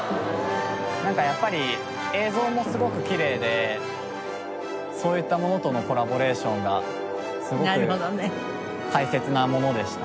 なんかやっぱり映像もすごくきれいでそういったものとのコラボレーションがすごく大切なものでした。